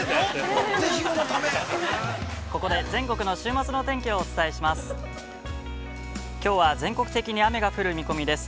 ◆ここで全国の週末のお天気をお伝えします。